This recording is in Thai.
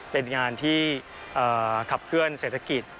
เป็นงานที่ขับเคลื่อนเศรษฐกิจ